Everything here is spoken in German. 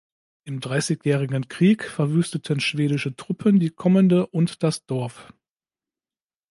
Im Dreißigjährigen Krieg verwüsteten schwedische Truppen die Kommende und das Dorf.